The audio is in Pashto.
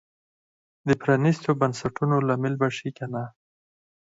د پرانیستو بنسټونو لامل به شي که نه.